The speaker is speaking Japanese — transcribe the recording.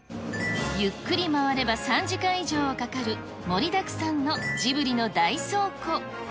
ゆっくり回れば３時間以上はかかる、盛りだくさんのジブリの大倉庫。